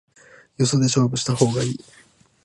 よそで勝負した方がいい